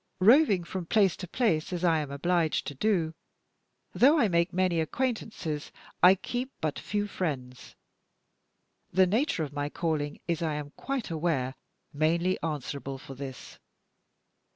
Roving from place to place, as I am obliged to do, though I make many acquaintances, I keep but few friends. The nature of my calling is, I am quite aware, mainly answerable for this.